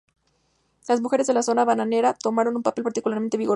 Las mujeres de la zona bananera tomaron un papel particularmente vigoroso.